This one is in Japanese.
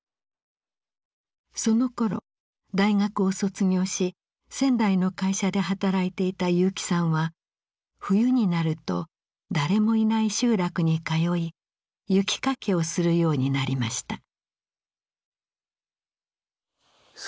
そのころ大学を卒業し仙台の会社で働いていた結城さんは冬になると誰もいない集落に通い雪かきをするようになりました。